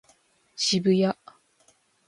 渋谷